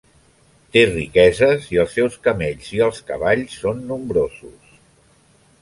Té riqueses i els seus camells i els cavalls són nombrosos.